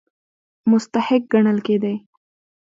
مستحق ګڼل کېدی.